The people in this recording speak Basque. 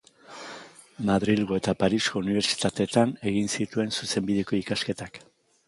Madrilgo eta Parisko unibertsitateetan egin zituen Zuzenbideko ikasketak.